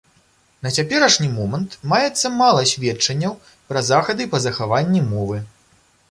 На цяперашні момант маецца мала сведчанняў пра захады па захаванні мовы.